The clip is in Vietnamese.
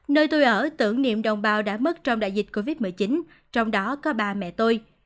nơi tôi ở tưởng niệm đồng bào đã mất trong đại dịch covid một mươi chín trong đó có ba mẹ tôi